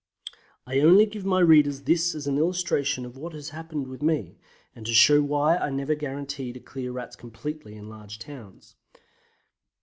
I only give my readers this as an illustration of what has often happened with me, and to show why I never guarantee to clear Rats completely in large towns.